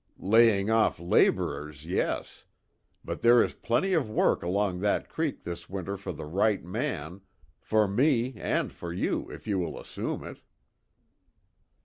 "Laying off laborers, yes. But there is plenty of work along that creek this winter for the right man for me, and for you, if you will assume it."